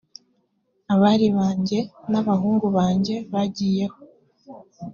abari banjye n’abahungu banjye bagiye ho